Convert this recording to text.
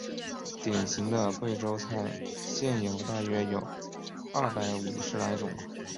典型的贵州菜现有大约有二百五十来种。